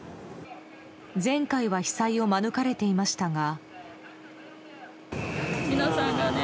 前回は被災を免れていましたが。